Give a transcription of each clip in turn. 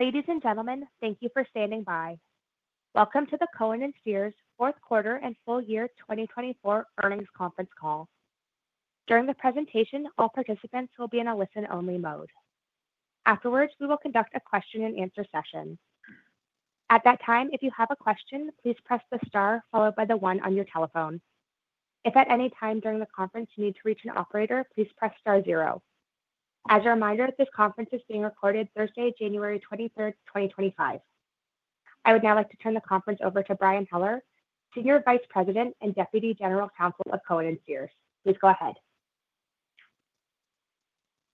Ladies and gentlemen, thank you for standing by. Welcome to the Cohen & Steers fourth quarter and full year 2024 earnings conference call. During the presentation, all participants will be in a listen-only mode. Afterwards, we will conduct a question-and-answer session. At that time, if you have a question, please press the star followed by the one on your telephone. If at any time during the conference you need to reach an operator, please press star zero. As a reminder, this conference is being recorded Thursday, January 23rd, 2025. I would now like to turn the conference over to Brian Heller, Senior Vice President and Deputy General Counsel of Cohen & Steers. Please go ahead.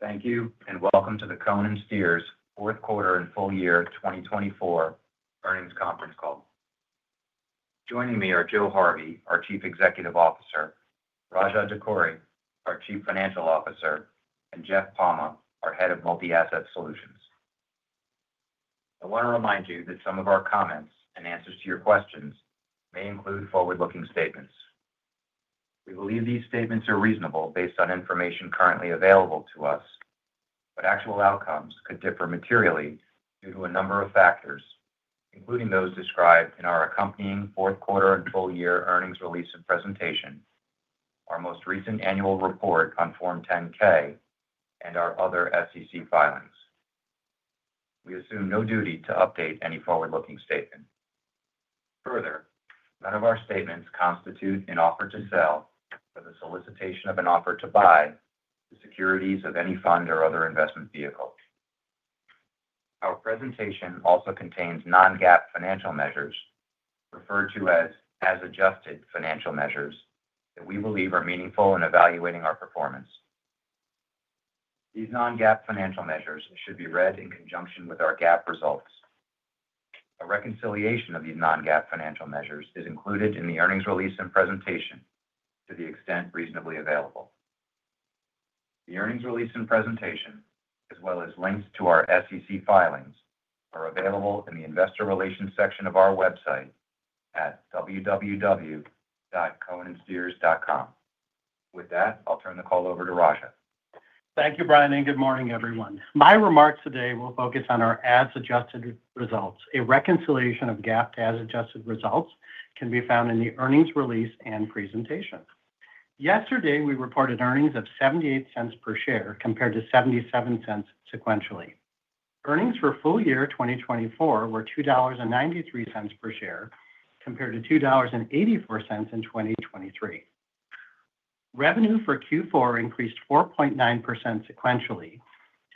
Thank you, and welcome to the Cohen & Steers fourth quarter and full year 2024 earnings conference call. Joining me are Joe Harvey, our Chief Executive Officer; Raja Dakkuri, our Chief Financial Officer; and Jeff Palma, our Head of Multi-Asset Solutions. I want to remind you that some of our comments and answers to your questions may include forward-looking statements. We believe these statements are reasonable based on information currently available to us, but actual outcomes could differ materially due to a number of factors, including those described in our accompanying fourth quarter and full year earnings release and presentation, our most recent annual report on Form 10-K, and our other SEC filings. We assume no duty to update any forward-looking statement. Further, none of our statements constitute an offer to sell or the solicitation of an offer to buy the securities of any fund or other investment vehicle. Our presentation also contains non-GAAP financial measures, referred to as adjusted financial measures, that we believe are meaningful in evaluating our performance. These non-GAAP financial measures should be read in conjunction with our GAAP results. A reconciliation of these non-GAAP financial measures is included in the earnings release and presentation to the extent reasonably available. The earnings release and presentation, as well as links to our SEC filings, are available in the investor relations section of our website at www.cohenandsteers.com. With that, I'll turn the call over to Raja. Thank you, Brian, and good morning, everyone. My remarks today will focus on our as-adjusted results. A reconciliation of GAAP as-adjusted results can be found in the earnings release and presentation. Yesterday, we reported earnings of $0.78 per share compared to $0.77 sequentially. Earnings for full year 2024 were $2.93 per share compared to $2.84 in 2023. Revenue for Q4 increased 4.9% sequentially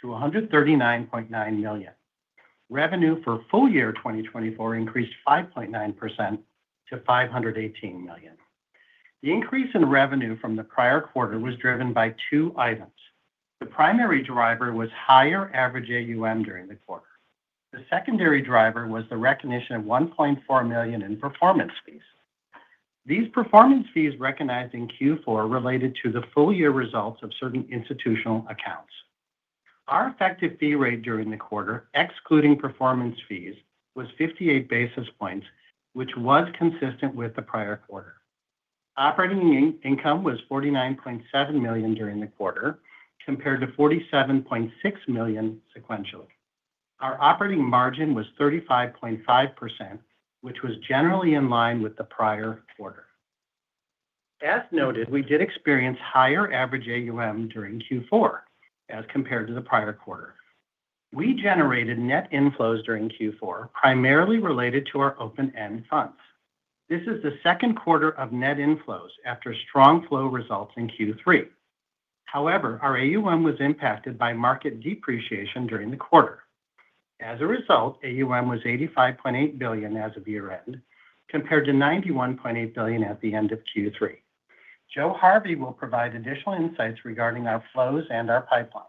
to $139.9 million. Revenue for full year 2024 increased 5.9% to $518 million. The increase in revenue from the prior quarter was driven by two items. The primary driver was higher average AUM during the quarter. The secondary driver was the recognition of $1.4 million in performance fees. These performance fees recognized in Q4 related to the full year results of certain institutional accounts. Our effective fee rate during the quarter, excluding performance fees, was 58 basis points, which was consistent with the prior quarter. Operating income was $49.7 million during the quarter compared to $47.6 million sequentially. Our operating margin was 35.5%, which was generally in line with the prior quarter. As noted, we did experience higher average AUM during Q4 as compared to the prior quarter. We generated net inflows during Q4 primarily related to our open-end funds. This is the second quarter of net inflows after strong flow results in Q3. However, our AUM was impacted by market depreciation during the quarter. As a result, AUM was $85.8 billion as of year-end compared to $91.8 billion at the end of Q3. Joe Harvey will provide additional insights regarding our flows and our pipeline.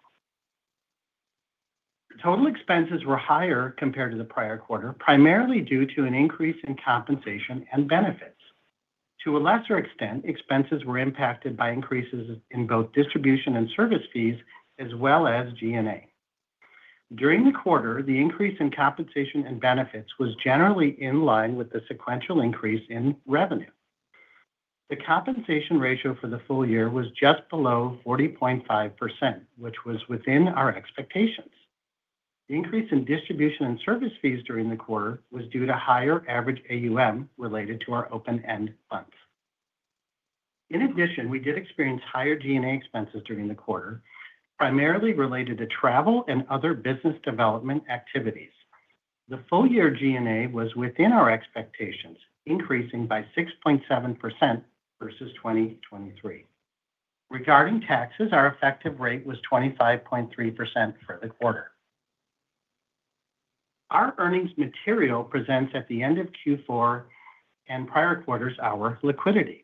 Total expenses were higher compared to the prior quarter, primarily due to an increase in compensation and benefits. To a lesser extent, expenses were impacted by increases in both distribution and service fees, as well as G&A. During the quarter, the increase in compensation and benefits was generally in line with the sequential increase in revenue. The compensation ratio for the full year was just below 40.5%, which was within our expectations. The increase in distribution and service fees during the quarter was due to higher average AUM related to our open-end funds. In addition, we did experience higher G&A expenses during the quarter, primarily related to travel and other business development activities. The full year G&A was within our expectations, increasing by 6.7% versus 2023. Regarding taxes, our effective rate was 25.3% for the quarter. Our earnings material presents, at the end of Q4 and prior quarters, our liquidity.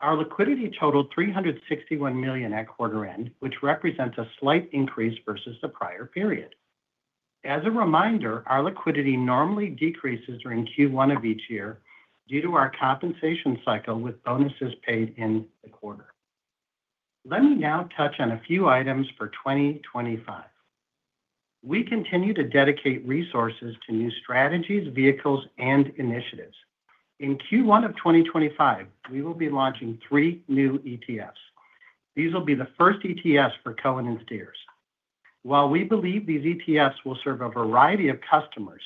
Our liquidity totaled $361 million at quarter end, which represents a slight increase versus the prior period. As a reminder, our liquidity normally decreases during Q1 of each year due to our compensation cycle with bonuses paid in the quarter. Let me now touch on a few items for 2025. We continue to dedicate resources to new strategies, vehicles, and initiatives. In Q1 of 2025, we will be launching three new ETFs. These will be the first ETFs for Cohen & Steers. While we believe these ETFs will serve a variety of customers,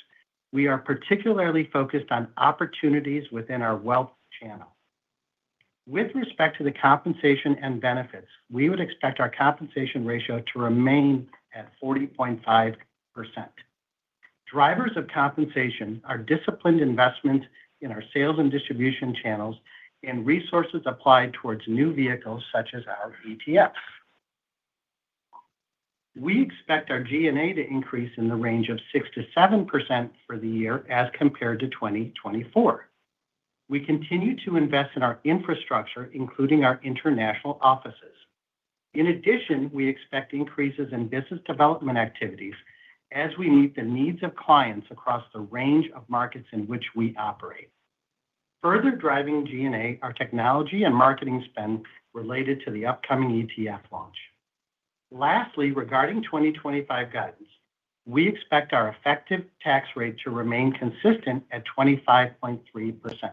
we are particularly focused on opportunities within our wealth channel. With respect to the compensation and benefits, we would expect our compensation ratio to remain at 40.5%. Drivers of compensation are disciplined investments in our sales and distribution channels and resources applied towards new vehicles such as our ETFs. We expect our G&A to increase in the range of 6%-7% for the year as compared to 2024. We continue to invest in our infrastructure, including our international offices. In addition, we expect increases in business development activities as we meet the needs of clients across the range of markets in which we operate. Further driving G&A are technology and marketing spend related to the upcoming ETF launch. Lastly, regarding 2025 guidance, we expect our effective tax rate to remain consistent at 25.3%.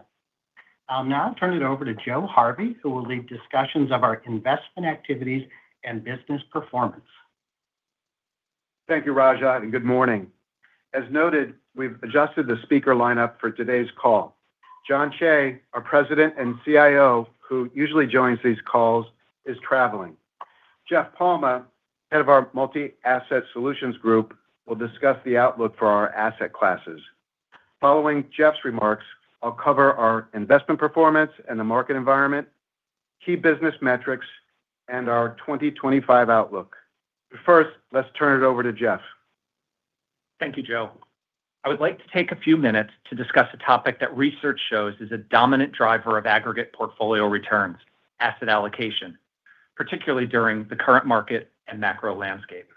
I'll now turn it over to Joe Harvey, who will lead discussions of our investment activities and business performance. Thank you, Raja, and good morning. As noted, we've adjusted the speaker lineup for today's call. John Cheigh, our President and CIO, who usually joins these calls, is traveling. Jeff Palma, Head of our Multi-Asset Solutions Group, will discuss the outlook for our asset classes. Following Jeff's remarks, I'll cover our investment performance and the market environment, key business metrics, and our 2025 outlook. But first, let's turn it over to Jeff. Thank you, Joe. I would like to take a few minutes to discuss a topic that research shows is a dominant driver of aggregate portfolio returns, asset allocation, particularly during the current market and macro landscape.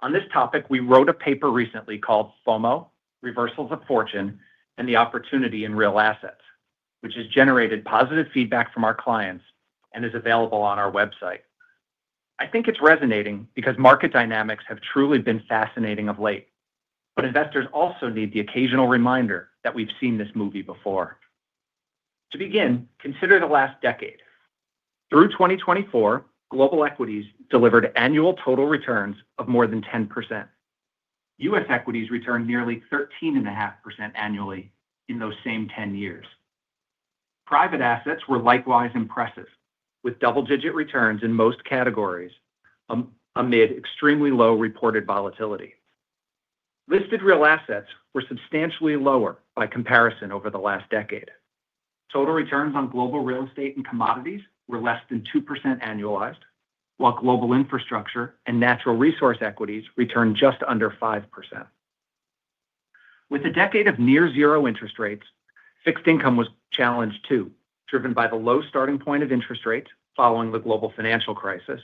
On this topic, we wrote a paper recently called FOMO, Reversals of Fortune and the Opportunity in Real Assets, which has generated positive feedback from our clients and is available on our website. I think it's resonating because market dynamics have truly been fascinating of late, but investors also need the occasional reminder that we've seen this movie before. To begin, consider the last decade. Through 2024, global equities delivered annual total returns of more than 10%. U.S. equities returned nearly 13.5% annually in those same 10 years. Private assets were likewise impressive, with double-digit returns in most categories amid extremely low reported volatility. Listed real assets were substantially lower by comparison over the last decade. Total returns on global real estate and commodities were less than 2% annualized, while global infrastructure and natural resource equities returned just under 5%. With a decade of near-zero interest rates, fixed income was challenged too, driven by the low starting point of interest rates following the global financial crisis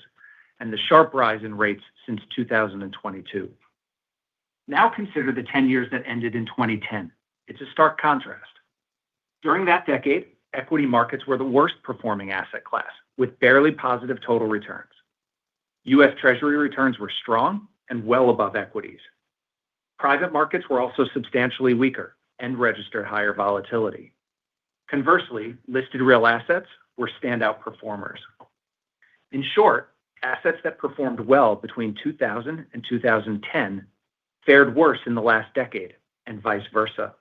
and the sharp rise in rates since 2022. Now consider the 10 years that ended in 2010. It's a stark contrast. During that decade, equity markets were the worst-performing asset class, with barely positive total returns. U.S. Treasury returns were strong and well above equities. Private markets were also substantially weaker and registered higher volatility. Conversely, listed real assets were standout performers. In short, assets that performed well between 2000 and 2010 fared worse in the last decade and vice versa.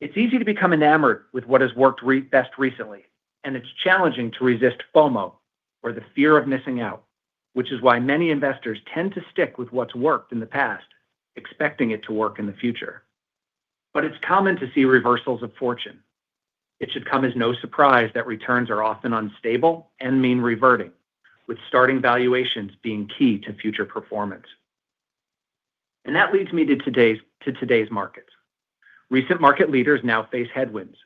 It's easy to become enamored with what has worked best recently, and it's challenging to resist FOMO or the fear of missing out, which is why many investors tend to stick with what's worked in the past, expecting it to work in the future, but it's common to see reversals of fortune. It should come as no surprise that returns are often unstable and mean reverting, with starting valuations being key to future performance, and that leads me to today's markets. Recent market leaders now face headwinds,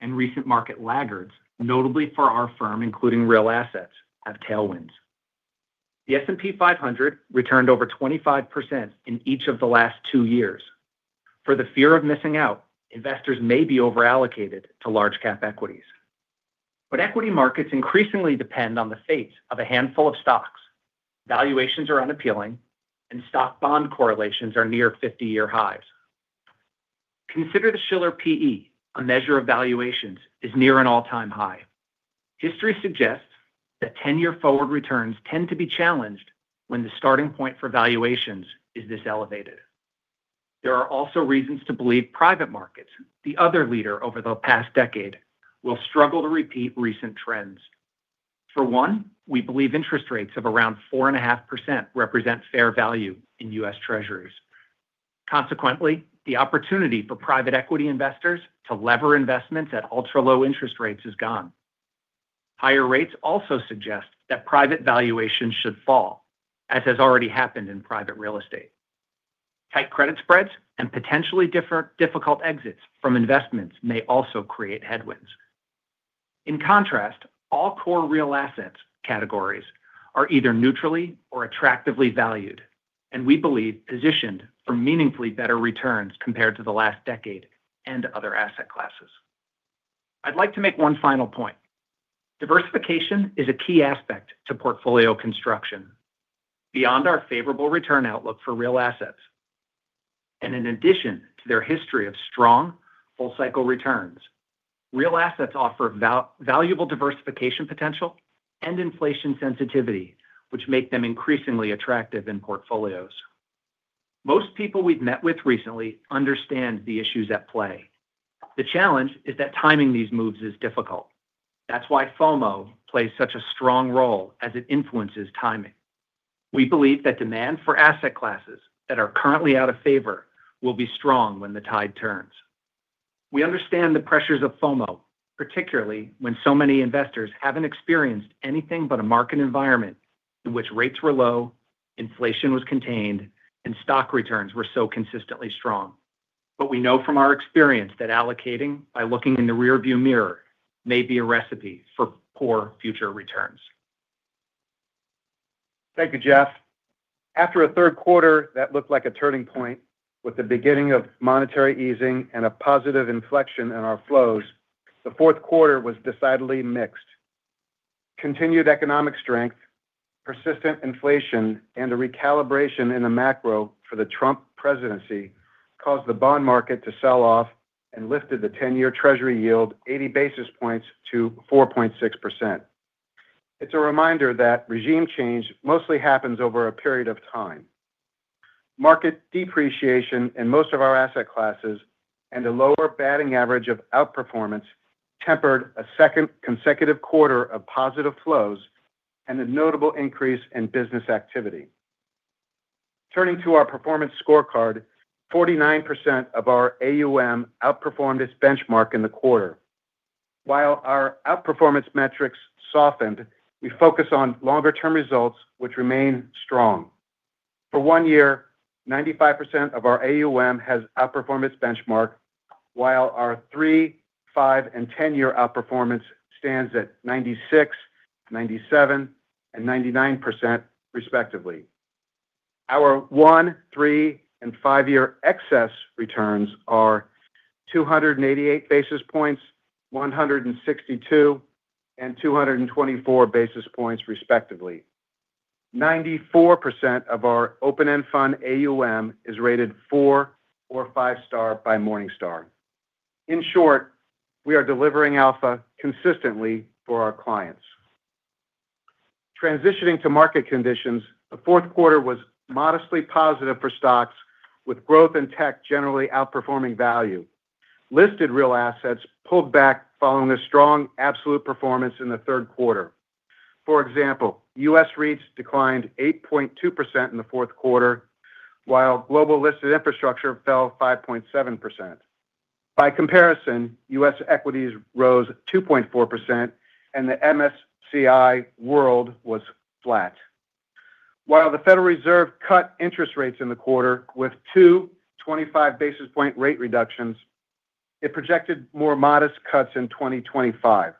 and recent market laggards, notably for our firm, including real assets, have tailwinds. The S&P 500 returned over 25% in each of the last two years. For the fear of missing out, investors may be overallocated to large-cap equities, but equity markets increasingly depend on the fate of a handful of stocks. Valuations are unappealing, and stock-bond correlations are near 50-year highs. Consider the Shiller P/E, a measure of valuations, is near an all-time high. History suggests that 10-year forward returns tend to be challenged when the starting point for valuations is this elevated. There are also reasons to believe private markets, the other leader over the past decade, will struggle to repeat recent trends. For one, we believe interest rates of around 4.5% represent fair value in U.S. Treasuries. Consequently, the opportunity for private equity investors to lever investments at ultra-low interest rates is gone. Higher rates also suggest that private valuations should fall, as has already happened in private real estate. Tight credit spreads and potentially difficult exits from investments may also create headwinds. In contrast, all core real assets categories are either neutrally or attractively valued, and we believe positioned for meaningfully better returns compared to the last decade and other asset classes. I'd like to make one final point. Diversification is a key aspect to portfolio construction beyond our favorable return outlook for real assets, and in addition to their history of strong full-cycle returns, real assets offer valuable diversification potential and inflation sensitivity, which make them increasingly attractive in portfolios. Most people we've met with recently understand the issues at play. The challenge is that timing these moves is difficult. That's why FOMO plays such a strong role as it influences timing. We believe that demand for asset classes that are currently out of favor will be strong when the tide turns. We understand the pressures of FOMO, particularly when so many investors haven't experienced anything but a market environment in which rates were low, inflation was contained, and stock returns were so consistently strong. But we know from our experience that allocating by looking in the rearview mirror may be a recipe for poor future returns. Thank you, Jeff. After a third quarter that looked like a turning point with the beginning of monetary easing and a positive inflection in our flows, the fourth quarter was decidedly mixed. Continued economic strength, persistent inflation, and a recalibration in the macro for the Trump presidency caused the bond market to sell off and lifted the 10-year Treasury yield 80 basis points to 4.6%. It's a reminder that regime change mostly happens over a period of time. Market depreciation in most of our asset classes and a lower batting average of outperformance tempered a second consecutive quarter of positive flows and a notable increase in business activity. Turning to our performance scorecard, 49% of our AUM outperformed its benchmark in the quarter. While our outperformance metrics softened, we focus on longer-term results, which remain strong. For one year, 95% of our AUM has outperformed its benchmark, while our three, five, and 10-year outperformance stands at 96%, 97%, and 99%, respectively. Our one, three, and five-year excess returns are 288 basis points, 162, and 224 basis points, respectively. 94% of our open-end fund AUM is rated four or five-star by Morningstar. In short, we are delivering alpha consistently for our clients. Transitioning to market conditions, the fourth quarter was modestly positive for stocks, with growth in tech generally outperforming value. Listed real assets pulled back following a strong absolute performance in the third quarter. For example, U.S. REITs declined 8.2% in the fourth quarter, while global listed infrastructure fell 5.7%. By comparison, U.S. equities rose 2.4%, and the MSCI World was flat. While the Federal Reserve cut interest rates in the quarter with two 25-basis-point rate reductions, it projected more modest cuts in 2025.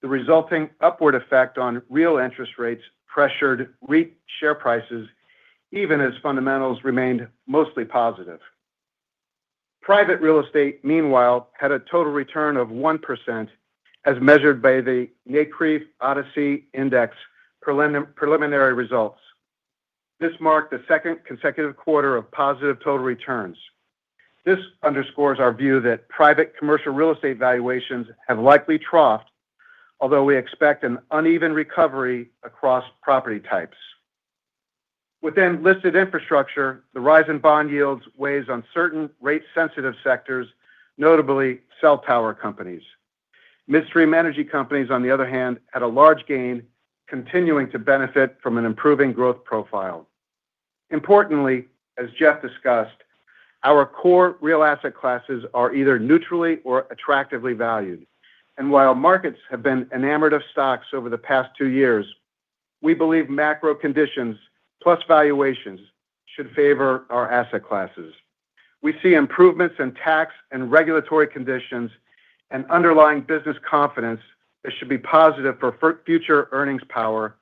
The resulting upward effect on real interest rates pressured REIT share prices, even as fundamentals remained mostly positive. Private real estate, meanwhile, had a total return of 1%, as measured by the NCREIF ODCE Index preliminary results. This marked the second consecutive quarter of positive total returns. This underscores our view that private commercial real estate valuations have likely troughed, although we expect an uneven recovery across property types. Within listed infrastructure, the rise in bond yields weighs on certain rate-sensitive sectors, notably cell tower companies. Midstream energy companies, on the other hand, had a large gain, continuing to benefit from an improving growth profile. Importantly, as Jeff discussed, our core real asset classes are either neutrally or attractively valued, and while markets have been enamored of stocks over the past two years, we believe macro conditions plus valuations should favor our asset classes. We see improvements in tax and regulatory conditions and underlying business confidence that should be positive for future earnings power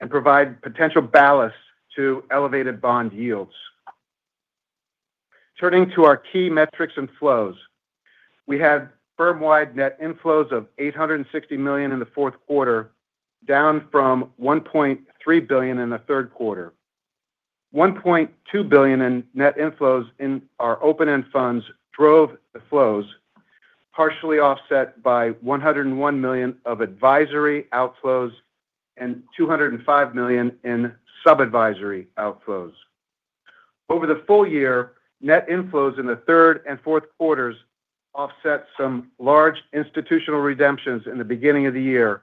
and provide potential ballast to elevated bond yields. Turning to our key metrics and flows, we had firm-wide net inflows of $860 million in the fourth quarter, down from $1.3 billion in the third quarter. $1.2 billion in net inflows in our open-end funds drove the flows, partially offset by $101 million of advisory outflows and $205 million in sub-advisory outflows. Over the full year, net inflows in the third and fourth quarters offset some large institutional redemptions in the beginning of the year,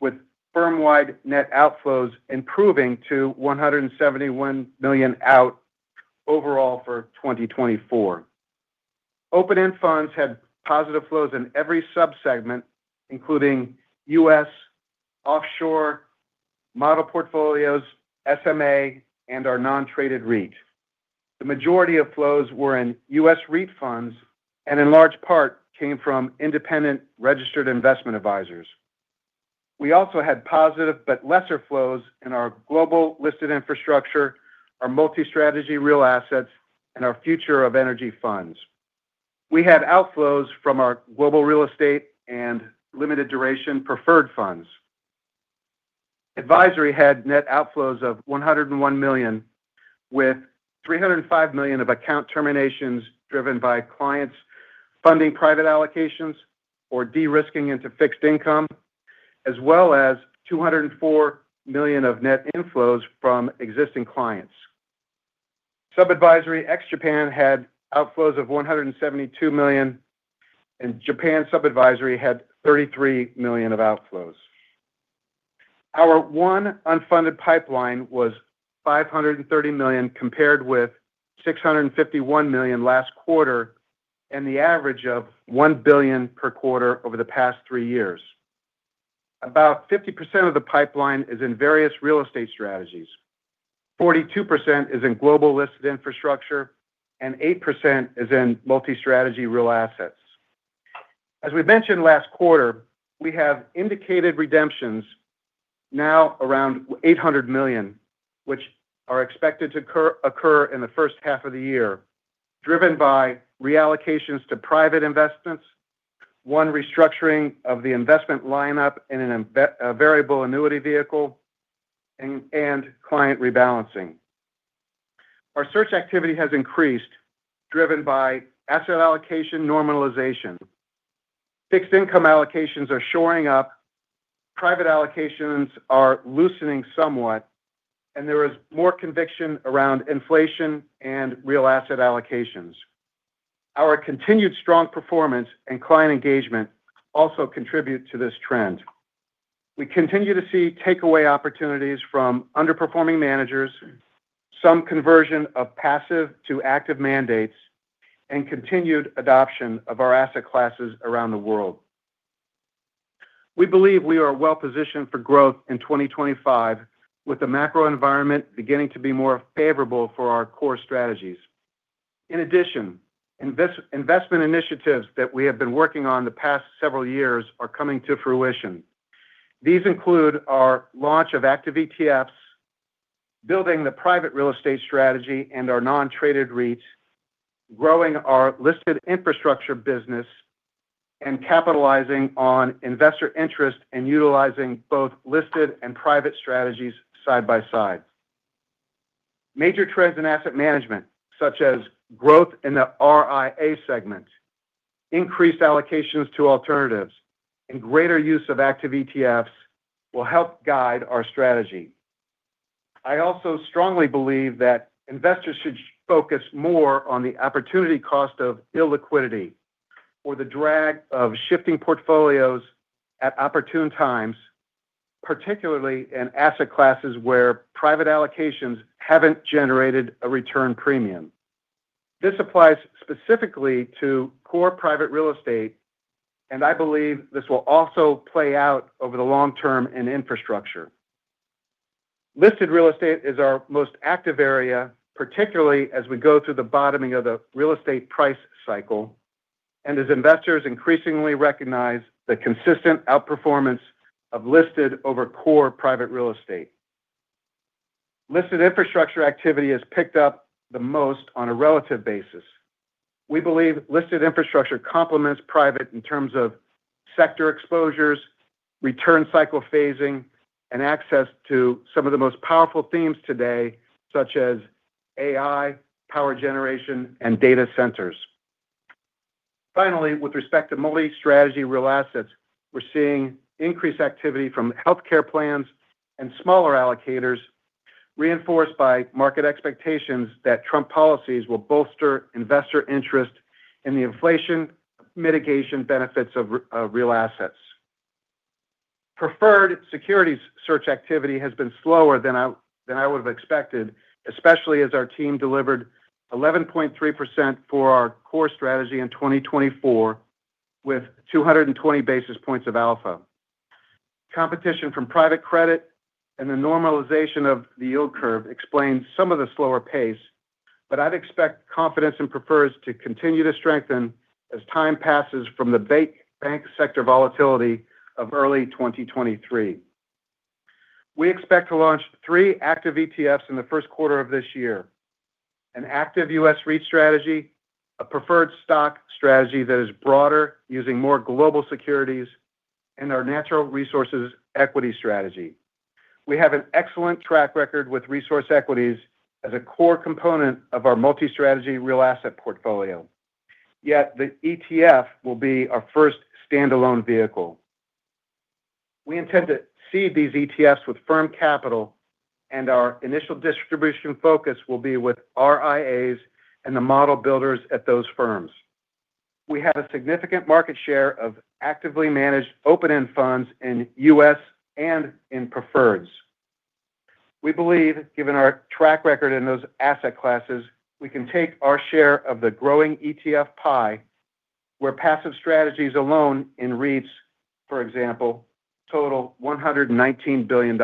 with firm-wide net outflows improving to $171 million out overall for 2024. Open-end funds had positive flows in every subsegment, including U.S., offshore, model portfolios, SMA, and our non-traded REIT. The majority of flows were in U.S. REIT funds and, in large part, came from independent registered investment advisors. We also had positive but lesser flows in our global listed infrastructure, our multi-strategy real assets, and our future of energy funds. We had outflows from our global real estate and limited duration preferred funds. Advisory had net outflows of $101 million, with $305 million of account terminations driven by clients funding private allocations or de-risking into fixed income, as well as $204 million of net inflows from existing clients. Sub-advisory ex Japan had outflows of $172 million, and Japan sub-advisory had $33 million of outflows. Our unfunded pipeline was $530 million compared with $651 million last quarter and the average of $1 billion per quarter over the past three years. About 50% of the pipeline is in various real estate strategies. 42% is in global listed infrastructure, and 8% is in multi-strategy real assets. As we mentioned last quarter, we have indicated redemptions now around $800 million, which are expected to occur in the first half of the year, driven by reallocations to private investments, one restructuring of the investment lineup in a variable annuity vehicle, and client rebalancing. Our search activity has increased, driven by asset allocation normalization. Fixed income allocations are shoring up. Private allocations are loosening somewhat, and there is more conviction around inflation and real asset allocations. Our continued strong performance and client engagement also contribute to this trend. We continue to see takeaway opportunities from underperforming managers, some conversion of passive to active mandates, and continued adoption of our asset classes around the world. We believe we are well-positioned for growth in 2025, with the macro environment beginning to be more favorable for our core strategies. In addition, investment initiatives that we have been working on the past several years are coming to fruition. These include our launch of active ETFs, building the private real estate strategy and our non-traded REITs, growing our listed infrastructure business, and capitalizing on investor interest and utilizing both listed and private strategies side by side. Major trends in asset management, such as growth in the RIA segment, increased allocations to alternatives, and greater use of active ETFs will help guide our strategy. I also strongly believe that investors should focus more on the opportunity cost of illiquidity or the drag of shifting portfolios at opportune times, particularly in asset classes where private allocations haven't generated a return premium. This applies specifically to core private real estate, and I believe this will also play out over the long term in infrastructure. Listed real estate is our most active area, particularly as we go through the bottoming of the real estate price cycle and as investors increasingly recognize the consistent outperformance of listed over core private real estate. Listed infrastructure activity has picked up the most on a relative basis. We believe listed infrastructure complements private in terms of sector exposures, return cycle phasing, and access to some of the most powerful themes today, such as AI, power generation, and data centers. Finally, with respect to multi-strategy real assets, we're seeing increased activity from healthcare plans and smaller allocators, reinforced by market expectations that Trump policies will bolster investor interest in the inflation mitigation benefits of real assets. Preferred securities search activity has been slower than I would have expected, especially as our team delivered 11.3% for our core strategy in 2024, with 220 basis points of alpha. Competition from private credit and the normalization of the yield curve explains some of the slower pace, but I'd expect confidence in Preferreds to continue to strengthen as time passes from the bank sector volatility of early 2023. We expect to launch three active ETFs in the first quarter of this year: an active U.S. REIT strategy, a preferred stock strategy that is broader, using more global securities, and our natural resources equity strategy. We have an excellent track record with resource equities as a core component of our multi-strategy real asset portfolio, yet the ETF will be our first standalone vehicle. We intend to seed these ETFs with firm capital, and our initial distribution focus will be with RIAs and the model builders at those firms. We have a significant market share of actively managed open-end funds in U.S. and in Preferreds. We believe, given our track record in those asset classes, we can take our share of the growing ETF pie, where passive strategies alone in REITs, for example, total $119 billion.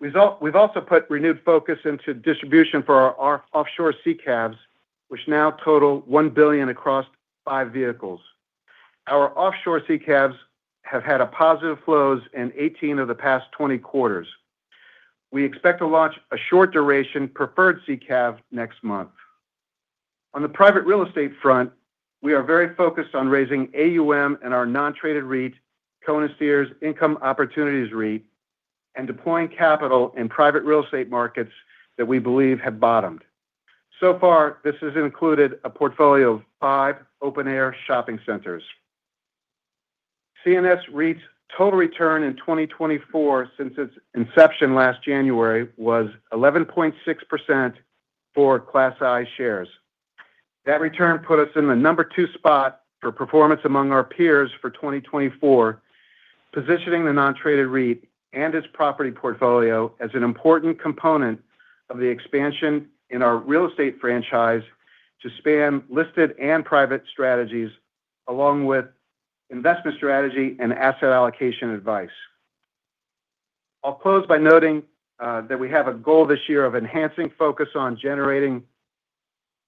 We've also put renewed focus into distribution for our offshore SICAVs, which now total $1 billion across five vehicles. Our offshore SICAVs have had positive flows in 18 of the past 20 quarters. We expect to launch a short-duration preferred SICAV next month. On the private real estate front, we are very focused on raising AUM in our non-traded REIT, Cohen & Steers Income Opportunities REIT, and deploying capital in private real estate markets that we believe have bottomed. So far, this has included a portfolio of five open-air shopping centers. CNS REIT's total return in 2024, since its inception last January, was 11.6% for Class I shares. That return put us in the number two spot for performance among our peers for 2024, positioning the non-traded REIT and its property portfolio as an important component of the expansion in our real estate franchise to span listed and private strategies, along with investment strategy and asset allocation advice. I'll close by noting that we have a goal this year of enhancing focus on generating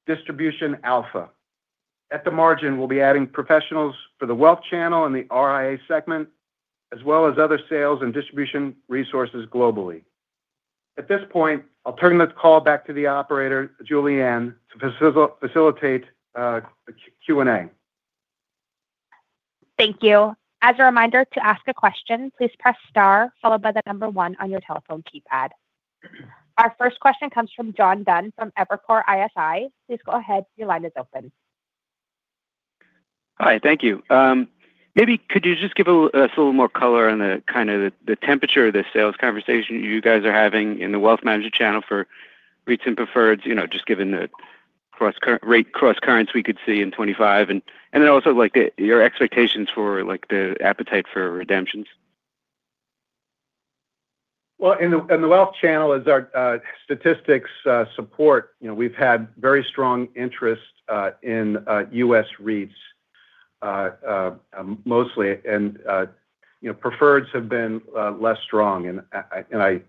distribution alpha. At the margin, we'll be adding professionals for the wealth channel and the RIA segment, as well as other sales and distribution resources globally. At this point, I'll turn the call back to the operator, Julianne, to facilitate the Q&A. Thank you. As a reminder, to ask a question, please press star, followed by the number one on your telephone keypad. Our first question comes from John Dunn from Evercore ISI. Please go ahead. Your line is open. Hi. Thank you. Maybe could you just give us a little more color on the kind of the temperature of the sales conversation you guys are having in the wealth management channel for REITs and Preferreds, just given the REIT cross-currents we could see in 2025? And then also your expectations for the appetite for redemptions. In the wealth channel, as our statistics support, we've had very strong interest in U.S. REITs mostly, and Preferreds have been less strong. And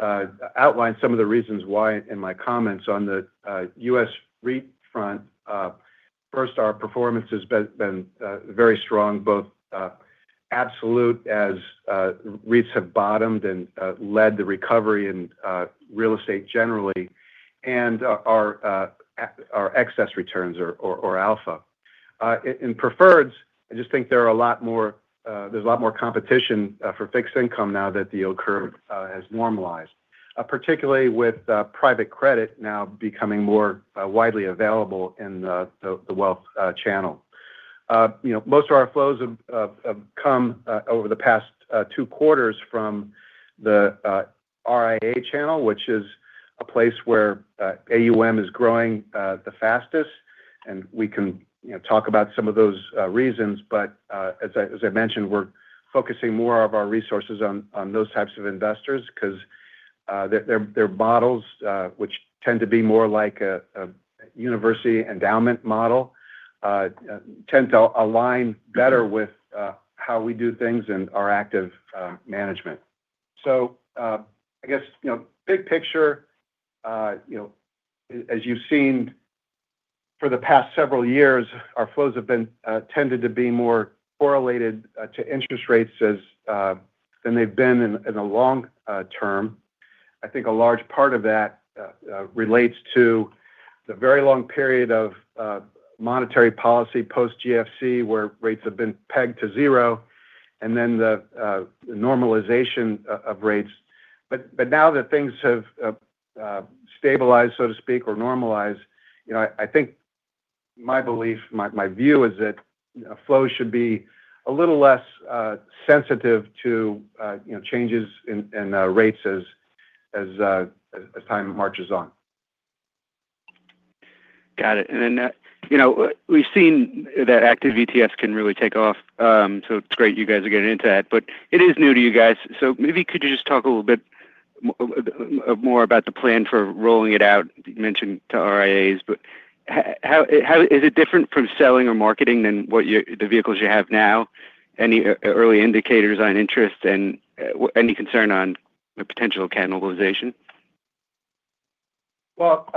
I outlined some of the reasons why in my comments on the U.S. REIT front. First, our performance has been very strong, both absolute as REITs have bottomed and led the recovery in real estate generally, and our excess returns or alpha. In preferreds, I just think there are a lot more, there's a lot more competition for fixed income now that the yield curve has normalized, particularly with private credit now becoming more widely available in the wealth channel. Most of our flows have come over the past two quarters from the RIA channel, which is a place where AUM is growing the fastest. And we can talk about some of those reasons, but as I mentioned, we're focusing more of our resources on those types of investors because their models, which tend to be more like a university endowment model, tend to align better with how we do things and our active management. So I guess big picture, as you've seen for the past several years, our flows have tended to be more correlated to interest rates than they've been in the long term. I think a large part of that relates to the very long period of monetary policy post-GFC, where rates have been pegged to zero, and then the normalization of rates, but now that things have stabilized, so to speak, or normalized, I think my belief, my view, is that flows should be a little less sensitive to changes in rates as time marches on. Got it, and then we've seen that active ETFs can really take off, so it's great you guys are getting into that, but it is new to you guys, so maybe could you just talk a little bit more about the plan for rolling it out? You mentioned to RIAs, but is it different from selling or marketing than the vehicles you have now? Any early indicators on interest and any concern on potential cannibalization Well,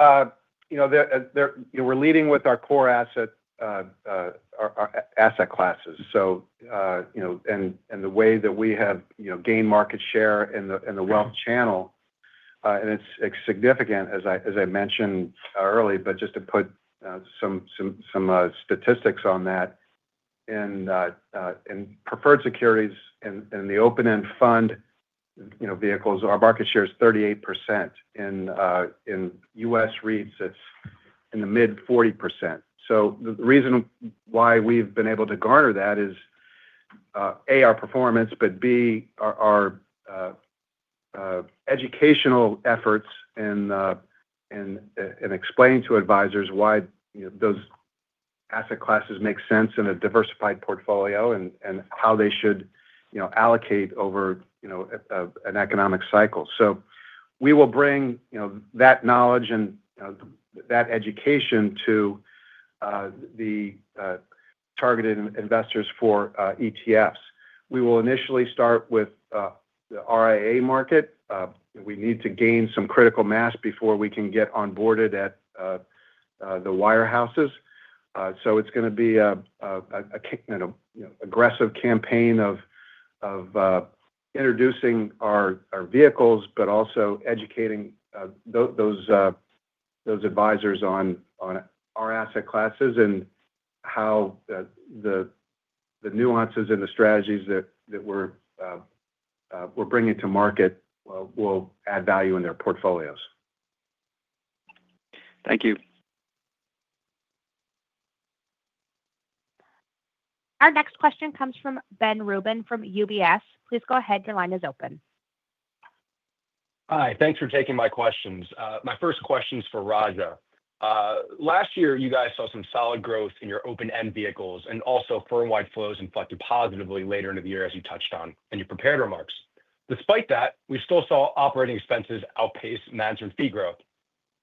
we're leading with our core asset classes. And the way that we have gained market share in the wealth channel, and it's significant, as I mentioned earlier, but just to put some statistics on that, in preferred securities and the open-end fund vehicles, our market share is 38%. In U.S. REITs, it's in the mid-40%. So the reason why we've been able to garner that is, A, our performance, but B, our educational efforts in explaining to advisors why those asset classes make sense in a diversified portfolio and how they should allocate over an economic cycle. So we will bring that knowledge and that education to the targeted investors for ETFs. We will initially start with the RIA market. We need to gain some critical mass before we can get onboarded at the wirehouses. So it's going to be an aggressive campaign of introducing our vehicles, but also educating those advisors on our asset classes and how the nuances and the strategies that we're bringing to market will add value in their portfolios. Thank you. Our next question comes from Ben Rubin from UBS. Please go ahead. Your line is open. Hi. Thanks for taking my questions. My first question is for Raja. Last year, you guys saw some solid growth in your open-end vehicles and also firm-wide flows inflected positively later into the year, as you touched on in your prepared remarks. Despite that, we still saw operating expenses outpace management fee growth.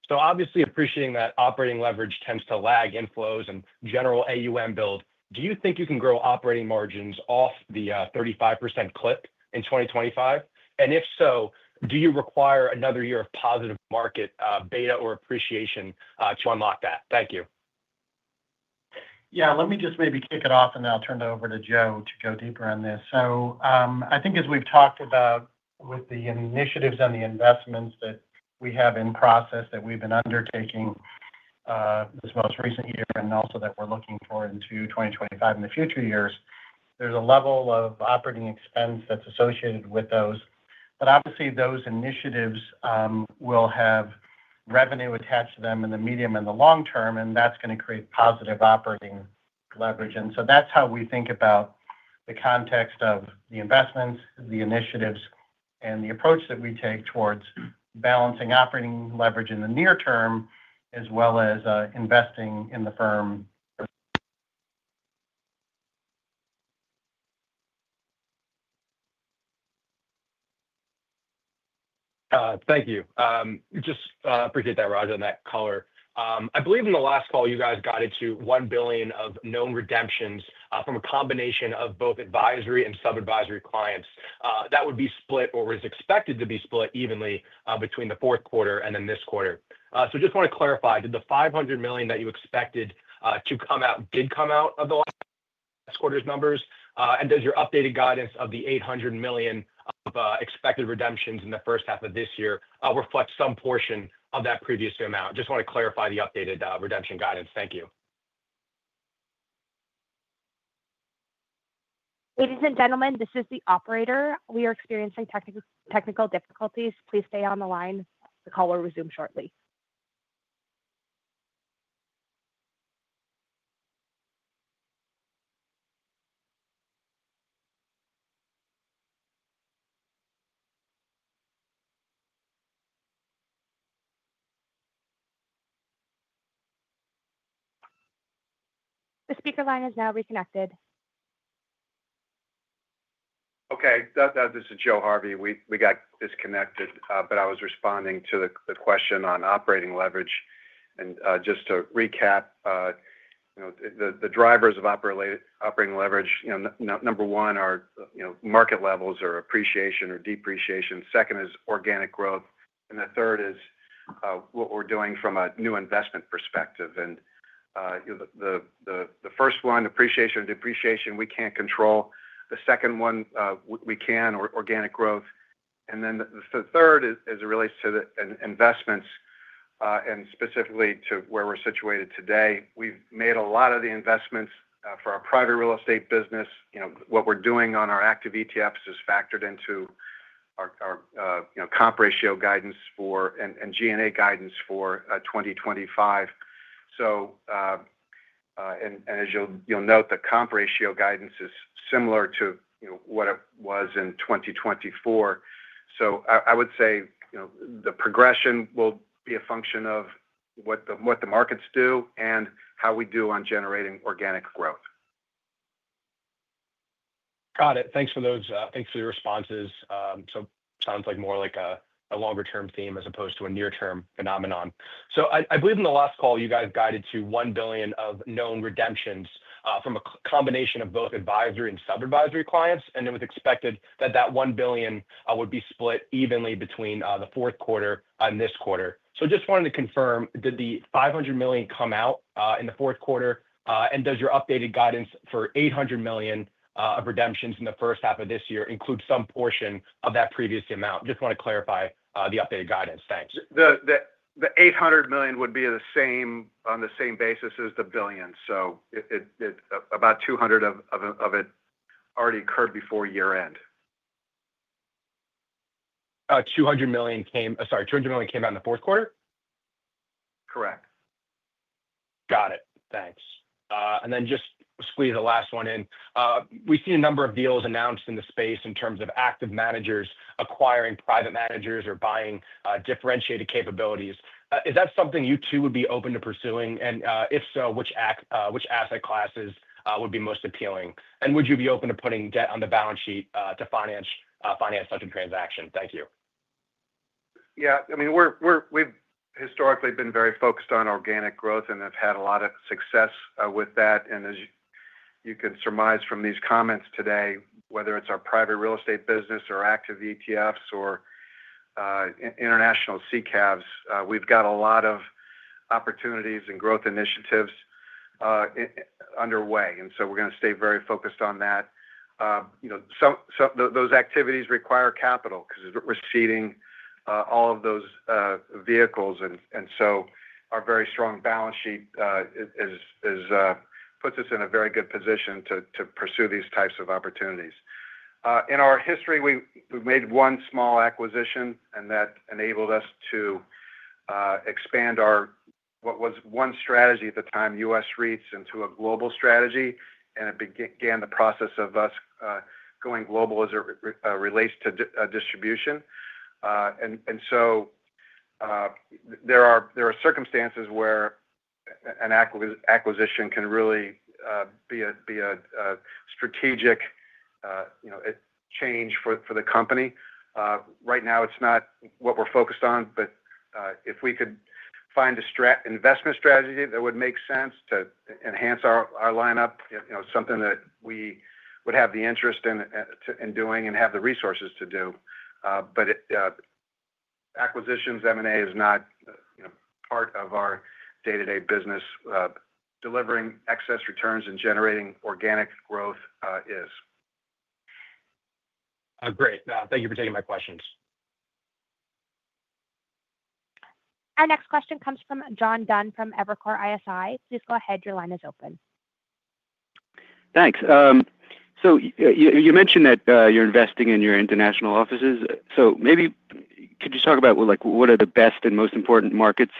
So obviously, appreciating that operating leverage tends to lag inflows and general AUM build, do you think you can grow operating margins off the 35% clip in 2025? And if so, do you require another year of positive market beta or appreciation to unlock that? Thank you. Yeah. Let me just maybe kick it off, and then I'll turn it over to Joe to go deeper on this. So I think as we've talked about with the initiatives and the investments that we have in process that we've been undertaking this most recent year and also that we're looking for into 2025 and the future years, there's a level of operating expense that's associated with those. But obviously, those initiatives will have revenue attached to them in the medium and the long term, and that's going to create positive operating leverage. And so that's how we think about the context of the investments, the initiatives, and the approach that we take towards balancing operating leverage in the near term as well as investing in the firm. Thank you. just appreciate that, Raja, and that color. I believe in the last call, you guys got it to $1 billion of known redemptions from a combination of both advisory and sub-advisory clients. That would be split or was expected to be split evenly between the fourth quarter and then this quarter. So I just want to clarify, did the $500 million that you expected to come out did come out of the last quarter's numbers? And does your updated guidance of the $800 million of expected redemptions in the first half of this year reflect some portion of that previous amount? Just want to clarify the updated redemption guidance. Thank you. Ladies and gentlemen, this is the operator. We are experiencing technical difficulties. Please stay on the line. The call will resume shortly. The speaker line is now reconnected. Okay. This is Joe Harvey. We got disconnected, but I was responding to the question on operating leverage. And just to recap, the drivers of operating leverage, number one, are market levels or appreciation or depreciation. Second is organic growth. And the third is what we're doing from a new investment perspective. And the first one, appreciation or depreciation, we can't control. The second one, we can, or organic growth. And then the third is relates to investments and specifically to where we're situated today. We've made a lot of the investments for our private real estate business. What we're doing on our active ETFs is factored into our comp ratio guidance and G&A guidance for 2025. And as you'll note, the comp ratio guidance is similar to what it was in 2024. So I would say the progression will be a function of what the markets do and how we do on generating organic growth. Got it. Thanks for the responses. So it sounds like more like a longer-term theme as opposed to a near-term phenomenon. So I believe in the last call, you guys guided to $1 billion of known redemptions from a combination of both advisory and sub-advisory clients. And it was expected that that $1 billion would be split evenly between the fourth quarter and this quarter. So just wanted to confirm, did the $500 million come out in the fourth quarter? And does your updated guidance for $800 million of redemptions in the first half of this year include some portion of that previous amount? Just want to clarify the updated guidance. Thanks. The $800 million would be on the same basis as the $1 billion. So about 200 of it already occurred before year-end. $200 million came, sorry, $200 million came out in the fourth quarter? Correct. Got it. Thanks. And then just squeeze the last one in. We've seen a number of deals announced in the space in terms of active managers acquiring private managers or buying differentiated capabilities. Is that something you too would be open to pursuing? And if so, which asset classes would be most appealing? And would you be open to putting debt on the balance sheet to finance such a transaction? Thank you. Yeah. I mean, we've historically been very focused on organic growth and have had a lot of success with that. And as you can surmise from these comments today, whether it's our private real estate business or active ETFs or international CCAVs, we've got a lot of opportunities and growth initiatives underway. And so we're going to stay very focused on that. Those activities require capital because we're seeding all of those vehicles. And so our very strong balance sheet puts us in a very good position to pursue these types of opportunities. In our history, we've made one small acquisition, and that enabled us to expand our—what was one strategy at the time, U.S. REITs, into a global strategy. And it began the process of us going global as it relates to distribution. And so there are circumstances where an acquisition can really be a strategic change for the company. Right now, it's not what we're focused on, but if we could find an investment strategy that would make sense to enhance our lineup, something that we would have the interest in doing and have the resources to do. But acquisitions, M&A is not part of our day-to-day business. Delivering excess returns and generating organic growth is great. Thank you for taking my questions. Our next question comes from John Dunn from Evercore ISI. Please go ahead. Your line is open. Thanks. So you mentioned that you're investing in your international offices. So maybe could you talk about what are the best and most important markets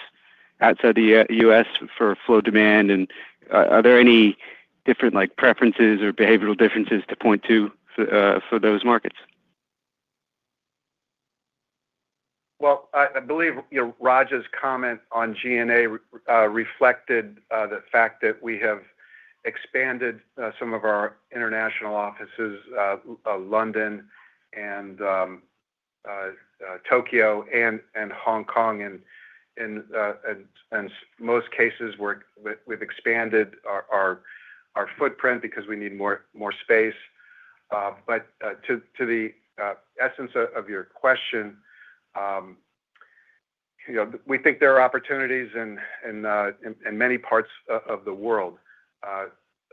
outside the U.S. for flow demand? And are there any different preferences or behavioral differences to point to for those markets? Well, I believe Raja's comment on G&A reflected the fact that we have expanded some of our international offices to London and Tokyo and Hong Kong. And in most cases, we've expanded our footprint because we need more space. But to the essence of your question, we think there are opportunities in many parts of the world.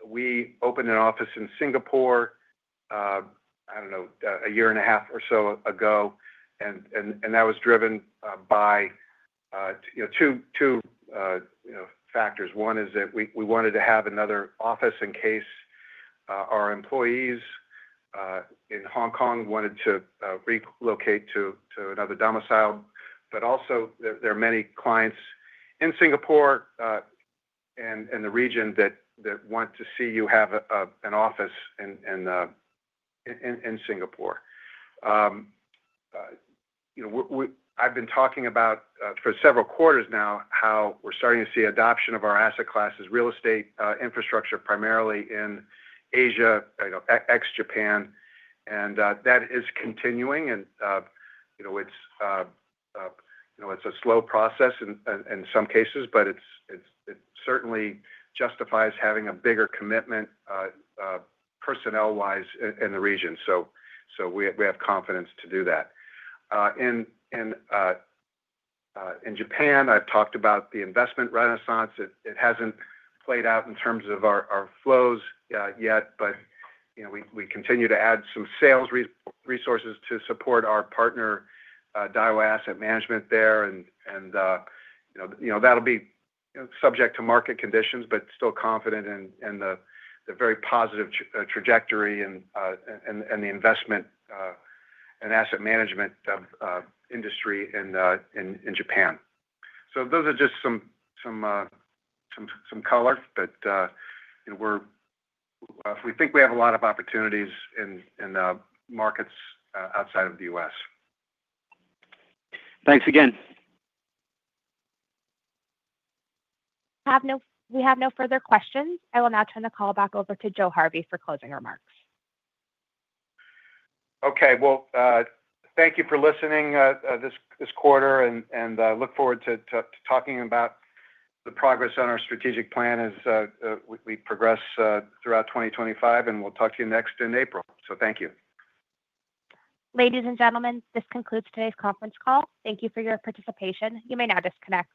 We opened an office in Singapore, I don't know, a year and a half or so ago, and that was driven by two factors. One is that we wanted to have another office in case our employees in Hong Kong wanted to relocate to another domicile, but also, there are many clients in Singapore and the region that want to see you have an office in Singapore. I've been talking about for several quarters now how we're starting to see adoption of our asset classes, real estate infrastructure, primarily in Asia, ex-Japan, and that is continuing, and it's a slow process in some cases, but it certainly justifies having a bigger commitment personnel-wise in the region, so we have confidence to do that, and in Japan, I've talked about the investment renaissance. It hasn't played out in terms of our flows yet, but we continue to add some sales resources to support our partner, Daiwa Asset Management there. And that'll be subject to market conditions, but still confident in the very positive trajectory and the investment and asset management industry in Japan. So those are just some color. But we think we have a lot of opportunities in markets outside of the U.S. Thanks again. We have no further questions. I will now turn the call back over to Joe Harvey for closing remarks. Okay. Well, thank you for listening this quarter, and I look forward to talking about the progress on our strategic plan as we progress throughout 2025. And we'll talk to you next in April. So thank you. Ladies and gentlemen, this concludes today's conference call. Thank you for your participation. You may now disconnect.